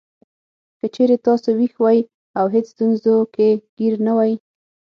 که چېرې تاسو وېښ وئ او هېڅ ستونزو کې ګېر نه وئ.